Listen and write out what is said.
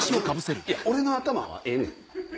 俺の頭はええねん！